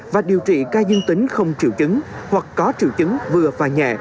và điều trị ca dương tính không triệu chứng hoặc có triệu chứng vừa và nhẹ